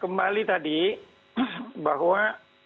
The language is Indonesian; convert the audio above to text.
kembali tadi bahwa